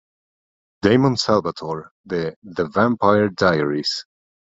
Damon Salvatore de The Vampire Diaries.